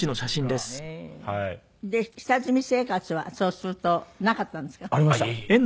で下積み生活はそうするとなかったんですか？